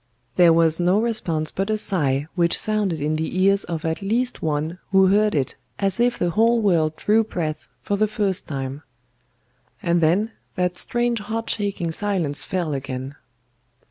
"There was no response but a sigh which sounded in the ears of at least one who heard it as if the whole world drew breath for the first time; and then that strange heart shaking silence fell again.